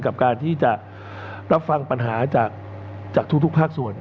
กับการที่จะรับฟังปัญหาจากทุกภาคส่วน